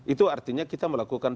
itu artinya kita melakukan